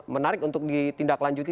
menarik untuk ditindaklanjuti